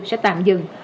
sẽ tạm dừng